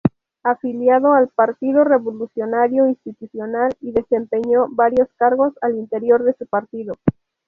Afiliado al Partido Revolucionario Institucional y desempeñó varios cargos al interior de su partido.